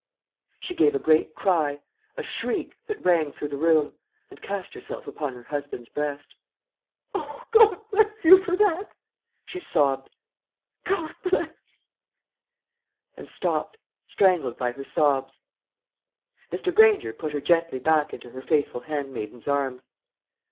She gave a great cry a shriek, that rang through the room and cast herself upon her husband's breast. "O, God bless you for that!" she sobbed; "God bless " and stopped, strangled by her sobs. Mr. Granger put her gently back into her faithful hand maiden's arms.